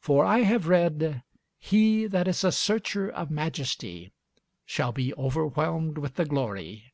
For I have read, He that is a searcher of Majesty shall be overwhelmed with the glory.